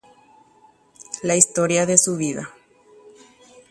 Hekovekue ñemombe'u.